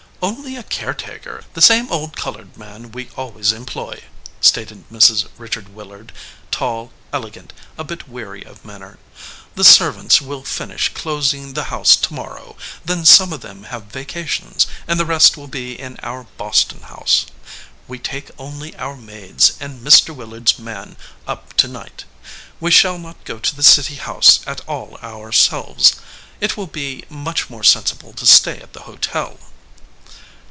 "Only a caretaker, the same old colored man we always employ," stated Mrs. Richard Willard, tall, elegant, a bit weary of manner. "The servants will finish closing the house to morrow, then some of them have vacations, and the rest will be in our Boston house. We take only our maids and Mr. Willard s man up to night. We shall not go to the city house at all ourselves. It will be much more sensible to stay at the hotel."